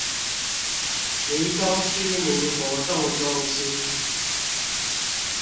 黎忠區民活動中心